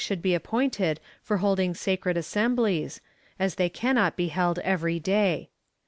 69 should be appointed for holding sacred assemblies, as they cannot be held every day.